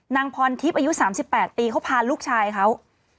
นางพรทิพย์อายุ๓๘ปีเขาพาลูกชายเขา